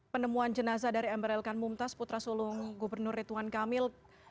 penemuan jenazah dari amril khan mumtaz putra sulung gubernur retuan kamil